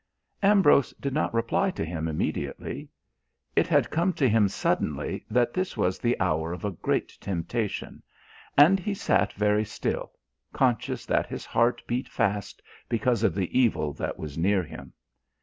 Ambrose did not reply to him immediately. It had come to him suddenly that this was the hour of a great temptation, and he sat very still, conscious that his heart beat fast because of the evil that was near him.